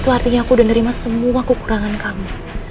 itu artinya aku udah nerima semua kekurangan kamu